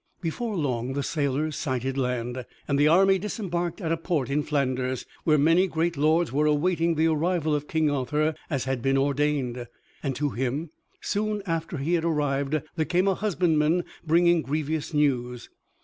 Before long the sailors sighted land, and the army disembarked at a port in Flanders, where many great lords were awaiting the arrival of King Arthur, as had been ordained. And to him, soon after he had arrived, there came a husbandman bringing grievous news.